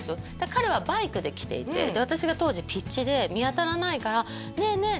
彼はバイクで来ていて私が当時ピッチで見当たらないから「ねえねえ